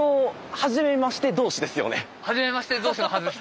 はじめまして同士のはずです。